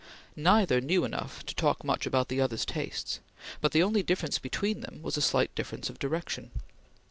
Neither knew enough to talk much about the other's tastes, but the only difference between them was a slight difference of direction.